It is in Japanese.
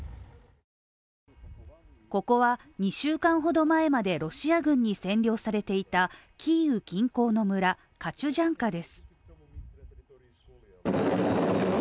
ここは２週間ほど前までロシア軍に占領されていた村、キーウ近郊の村、カチュジャンカです